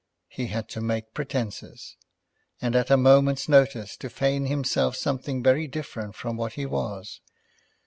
He had to make pretences, and at a moment's notice to feign himself something very different from what he was.